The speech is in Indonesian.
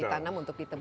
ditanam untuk ditebang